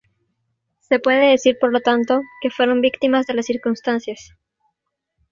Se puede decir por lo tanto, que fueron víctimas de las circunstancias.